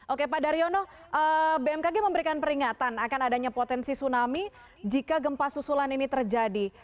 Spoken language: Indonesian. oke pak daryono bmkg memberikan peringatan akan adanya potensi tsunami jika gempa susulan ini terjadi